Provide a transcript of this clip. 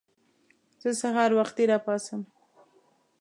زه سهار وختي راپاڅم.